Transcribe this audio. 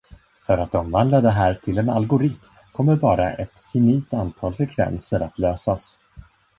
För att omvandla det här till en algoritm kommer bara ett finit antal frekvenser att lösas.